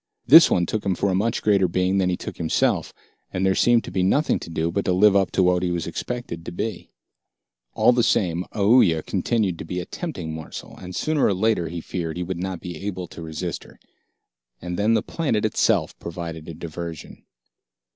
This one took him for a much greater being than he took himself, and there seemed to be nothing to do but to live up to what he was expected to be. All the same, Aoooya continued to be a tempting morsel, and sooner or later, he feared, he would not be able to resist her. And then the planet itself provided a diversion.